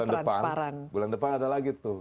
dan bulan depan ada lagi tuh